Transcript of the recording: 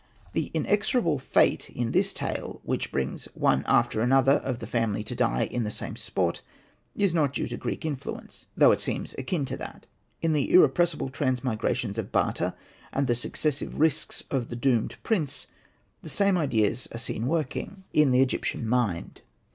The inexorable fate in this tale which brings one after another of the family to die in the same spot is not due to Greek influence, though it seems akin to that. In the irrepressible transmigrations of Bata, and the successive risks of the Doomed Prince, the same ideas are seen working in the Hosted by Google REMARKS 135 Egyptian mind.